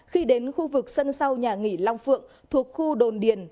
khi đến khu vực sân sau nhà nghỉ long phượng thuộc khu đồn điền